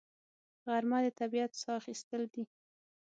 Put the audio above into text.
غرمه د طبیعت ساه اخیستل دي